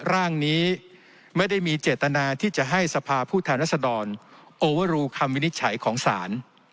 ร่างนี้ไม่ได้มีเจตนาที่จะให้สภาพผู้แทนรัศดรโอเวอรูคำวินิจฉัยของศาล